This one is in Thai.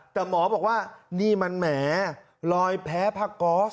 แต่หมอบอกว่านี่มันแหมรอยแพ้ผ้าก๊อส